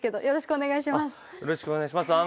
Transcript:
お願いします。